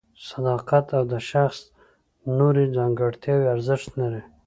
صداقت او د شخص نورې ځانګړتیاوې ارزښت لري.